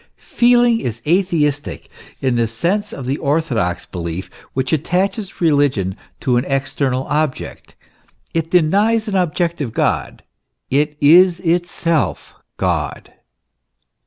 Feeling is atheistic in the sense of the orthodox belief, which attaches religion to an external object ; it denies an objective God it is itself God.